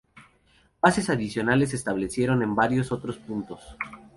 Bases adicionales se establecieron en varios otros puntos.